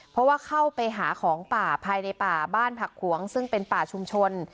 เพราะว่าเข้าไปหาของป่าภายในป่าบ้านผักขวงซึ่งเป็นป่าชุมชน